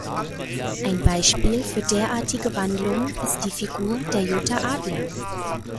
Ein Beispiel für derartige Wandlungen ist die Figur der "Jutta Adler".